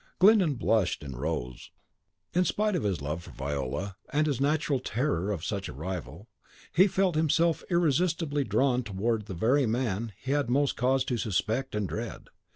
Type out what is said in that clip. Glyndon blushed, and rose. In spite of his love for Viola, and his natural terror of such a rival, he felt himself irresistibly drawn towards the very man he had most cause to suspect and dread.